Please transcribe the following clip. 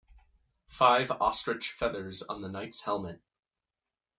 Five ostrich feathers on the knight's helmet.